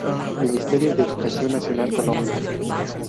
Ministerio de Educación Nacional. Colombia.